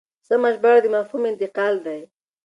سمه ژباړه د مفهوم انتقال دی.